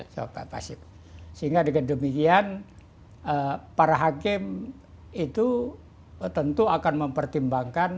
suap yang pasif sehingga dengan demikian para hakim itu tentu akan mempertimbangkan